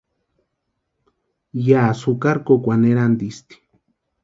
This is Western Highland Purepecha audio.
Yási jukari kókwani erantisti.